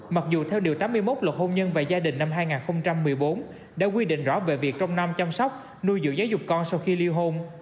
mặc dù theo điều tám mươi một luật hôn nhân và gia đình năm hai nghìn một mươi bốn đã quy định rõ về việc trong năm chăm sóc nuôi dưỡng giáo dục con sau khi ly hôn